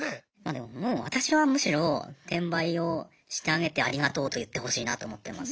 でももう私はむしろ転売をしてあげてありがとうと言ってほしいなと思ってます。